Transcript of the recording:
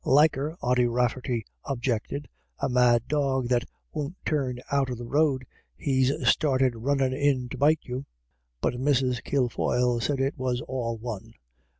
" Liker," Ody Rafferty objected, " a mad dog that won't turn out of the road he's started runnin' in to bite you." But Mrs. Kilfoyle said it was all one.